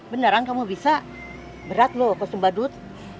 beneran kamu bisa berat loh kosum badut